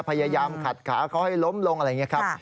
พยายามขัดขาเขาให้ล้มลงอะไรอย่างนี้ครับ